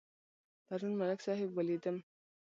پرون ملک صاحب ولیدم.